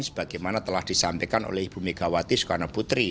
sebagaimana telah disampaikan oleh ibu megawati soekarno putri